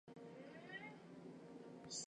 レバノンの首都はベイルートである